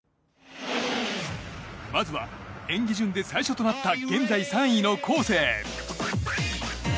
まずは、演技順で最初となった現在３位のコーセー。